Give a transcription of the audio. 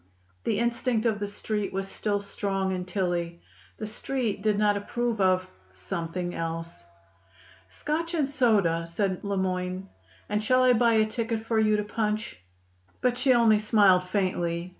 The instinct of the Street was still strong in Tillie. The Street did not approve of "something else." "Scotch and soda," said Le Moyne. "And shall I buy a ticket for you to punch?" But she only smiled faintly.